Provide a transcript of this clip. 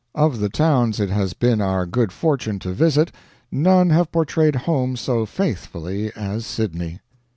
Of the towns it has been our good fortune to visit, none have portrayed home so faithfully as Sydney."